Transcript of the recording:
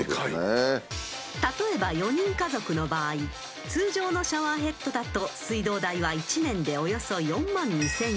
［例えば４人家族の場合通常のシャワーヘッドだと水道代は１年でおよそ４万２，０００円］